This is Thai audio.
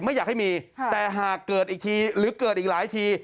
ไม่อยากให้มีแต่หากเกิดอีกทีหรือเกิดอีกหลายที